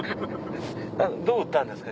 どう打ったんですか？